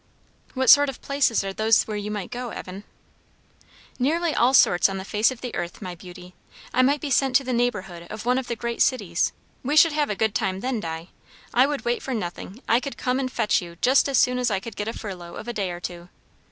"What sort of places are those where you might go, Evan?" "Nearly all sorts on the face of the earth, my beauty. I might be sent to the neighbourhood of one of the great cities; we should have a good time then, Di! I would wait for nothing; I could come and fetch you just as soon as I could get a furlough of a day or two.